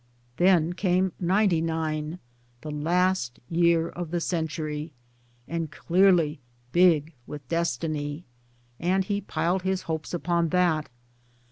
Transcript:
Then came '99, the last year of the century and clearly big with destiny ; and he piled his hopes upon that.